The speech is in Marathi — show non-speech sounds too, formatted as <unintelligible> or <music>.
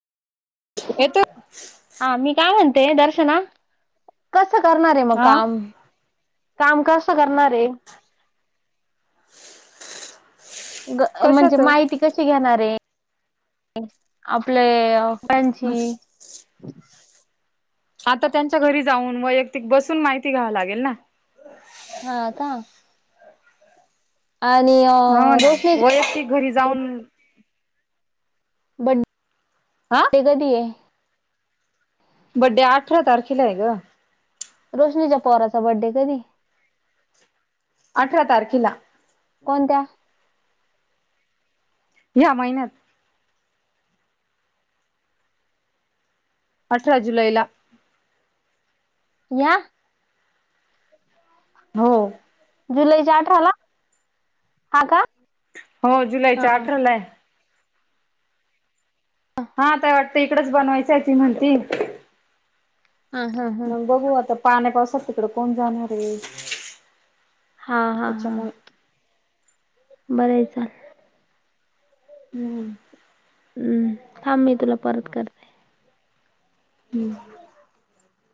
येतोय. ते दर्शना कसं करणार आहे मग हा काम? काम कस करणार आहे? <unintelligible> म्हणजे कशाच माहिती कशी घेणारे हे? आपले कांची आता त्यांच्या घरी जाऊन वैयक्तिक बसून माहिती घ्यावं लागेल ना. हा का आणि हो, अ, ना वैयक्तिक घरी रोशनीची जाऊन हा बड्डे कधी आहे? बड्डे अठरा तारखेलाय गं. रोशनीच्या पोराचा बड्डे कधी आहे? अठरा तारखेला. कोणत्या? ह्या महिन्यात. अठरा जुलैला. ह्या? हो. जुलैच्या अठराला? हा का? हो हा जुलैच्या हा अठराला आहे. हा आता वाटतं इकडच बनवायचं आहे ती म्हणती. हा हा हा मग बघू आता पाण्या-पावसात तिकडं कोण जाणार आहे? हा -हा- हा. त्याच्यामुळे बरंय चाल. हम्म. हम्म, थांब मी तुला परत करते. हम्म